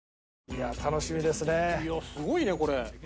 いやすごいねこれ。